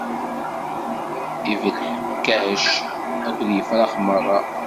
Ibelḥekkac akked yefrax merra.